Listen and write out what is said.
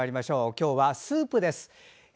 今日は、スープです。